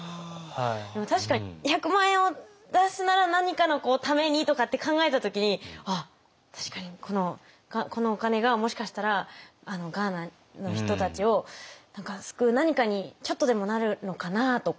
でも確かに１００万円を出すなら何かのためにとかって考えた時にあっ確かにこのお金がもしかしたらガーナの人たちを救う何かにちょっとでもなるのかなとか。